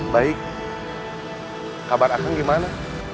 baik kabar akan gimana